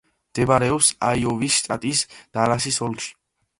მდებარეობს აიოვის შტატის დალასის ოლქში.